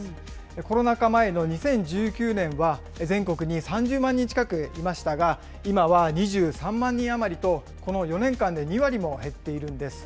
コロナ禍前の２０１９年は、全国に３０万人近くいましたが、今は２３万人余りと、この４年間で２割も減っているんです。